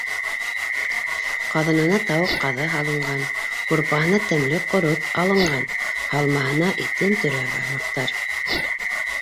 Ҡаҙанына тауыҡ-ҡаҙы һалынған, һурпаһына тәмле ҡорот алынған, һалмаһына итен төрә бармаҡтар